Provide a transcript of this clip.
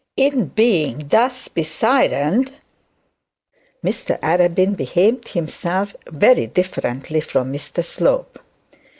In being thus be sirened, Mr Arabin behaved himself very differently from Mr Slope.